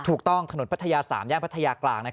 ถูกต้องถนนพัทยา๓ย่างพัทยากลาง